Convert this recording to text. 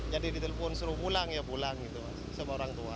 jadi ditelepon suruh pulang ya pulang gitu sama orang tua